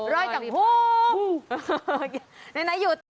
ร้อยกับภูมิ